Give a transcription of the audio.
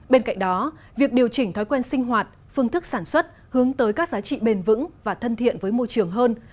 bên cạnh đó việc điều chỉnh thói quen sinh hoạt phương thức sản xuất hướng tới các giá trị bền vững và thân thiện với môi trường hơn